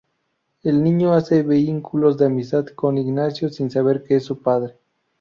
El niño hace vínculos de amistad con Ignacio sin saber que es su padre.